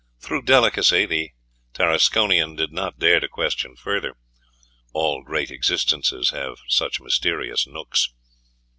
Through delicacy, the Tarasconian did not dare to question further. All great existences have such mysterious nooks.